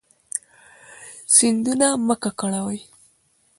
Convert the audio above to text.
سیندونه مه ککړوئ